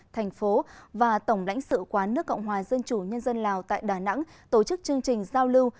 thành phố và tổng lãnh sự quán nước cộng hòa dân chủ nhân dân lào tại đà nẵng tổ chức chương trình giao lưu